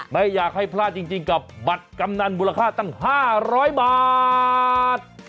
ไม่อยากให้พลาดจริงกับบัตรกำนันมูลค่าตั้ง๕๐๐บาท